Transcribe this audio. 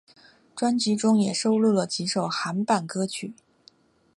专辑中也收录了几首韩版歌曲。